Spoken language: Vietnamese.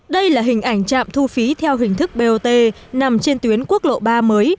đây là hình ảnh trạm thu phí theo hình thức bot nằm trên tuyến quốc lộ ba mới